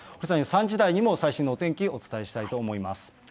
３時台にも、最新のお天気、お伝えしたいと思います。